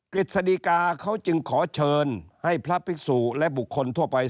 ฤษฎิกาเขาจึงขอเชิญให้พระภิกษุและบุคคลทั่วไป